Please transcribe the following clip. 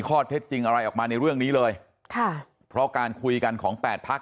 ข้อเท็จจริงอะไรออกมาในเรื่องนี้เลยค่ะเพราะการคุยกันของแปดพัก